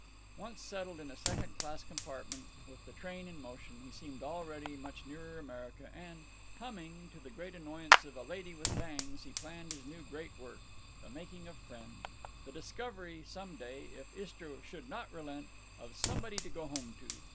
Once settled in a second class compartment, with the train in motion, he seemed already much nearer America, and, humming, to the great annoyance of a lady with bangs, he planned his new great work—the making of friends; the discovery, some day, if Istra should not relent, of "somebody to go home to."